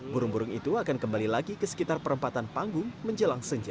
burung burung itu akan kembali lagi ke sekitar perempatan panggung menjelang senja